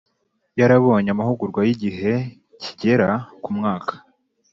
yarabonye amahugurwa y igihe kigera ku mwaka